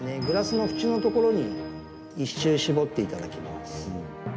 グラスの縁のところに１周、絞っていただきます。